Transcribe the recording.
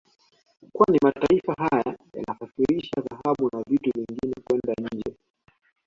Kwani mataifa haya yanasafirisha dhahabu na vitu vingine kwenda nje